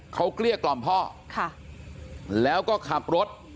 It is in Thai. เขาเกลี้ยกล่อมพ่อค่ะแล้วก็ขับรถ